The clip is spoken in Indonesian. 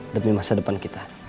demi masa depan kita